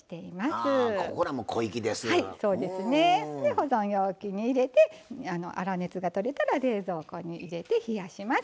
保存容器に入れて粗熱が取れたら冷蔵庫に入れて冷やします。